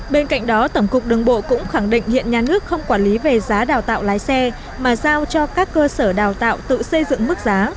bên cạnh đó tổng cục đường bộ cũng khẳng định hiện nhà nước không quản lý về giá đào tạo lái xe mà giao cho các cơ sở đào tạo tự xây dựng mức giá